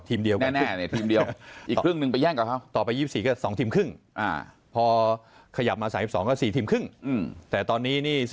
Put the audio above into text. ทีมเดียวกัน